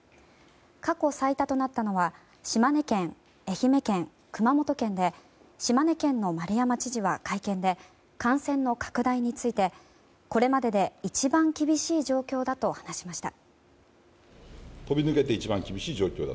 過去最多となったのは島根県、愛媛県、熊本県で島根県の丸山知事は会見で感染の拡大についてこれまでで一番厳しい状況だと話しました。